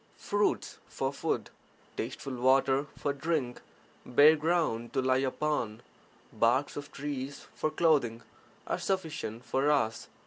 Fruits for food, tasteful water for drink, bare ground to lie upon, barks of trees for clothing, are sufficient (for us)